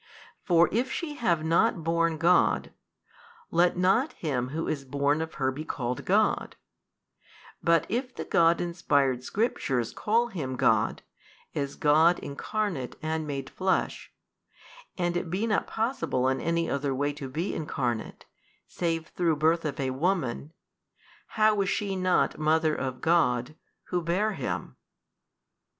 For if she have not borne God, let not Him Who is born of her be called God; but if the God inspired Scriptures call Him God, as God Incarnate and made Flesh, and it be not possible in any other way to be Incarnate, save through birth of a woman, how is she not Mother of God, who bare Him?